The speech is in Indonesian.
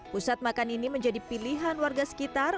pusat makan ini menjadi pilihan warga sekitar